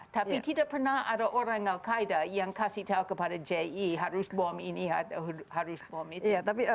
tapi tidak pernah ada orang al qaeda yang kasih tahu kepada ji harus bom ini harus bom itu